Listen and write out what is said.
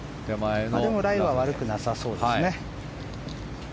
でもライは悪くなさそうですね。